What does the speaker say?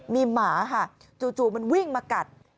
มีหมาค่ะจู่มันวิ่งมากัด